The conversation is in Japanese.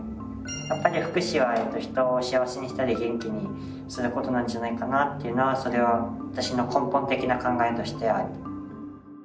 やっぱり福祉は人を幸せにしたり元気にすることなんじゃないかなっていうのはそれは私の根本的な考えとしてある。